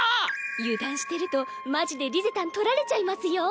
油断してるとマジでリゼたん取られちゃいますよ。